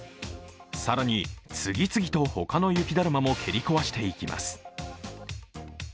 更に、次々と他の雪だるまも蹴り壊していきます。